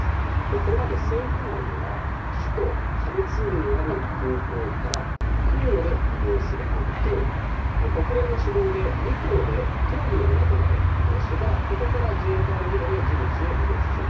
これまで政府内では首都ハルツームにある空港から空路で移動する案と国連の主導で陸路で東部の港まで移動してからここから自衛隊の船でジブチへ移動させる